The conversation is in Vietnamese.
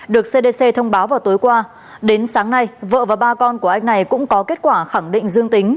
được cdc thông báo vào tối qua đến sáng nay vợ và ba con của anh này cũng có kết quả khẳng định dương tính